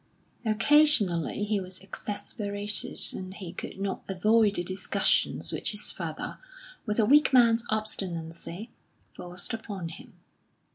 Occasionally he was exasperated that he could not avoid the discussions which his father, with a weak man's obstinacy, forced upon him.